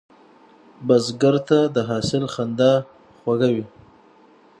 بزګر ته د حاصل خندا خوږه وي